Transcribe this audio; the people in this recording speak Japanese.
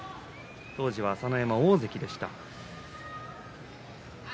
当時は朝乃山は大関でした。